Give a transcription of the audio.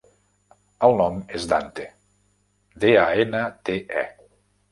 El nom és Dante: de, a, ena, te, e.